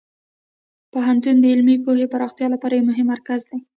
پوهنتون د علمي پوهې پراختیا لپاره یو مهم مرکز دی.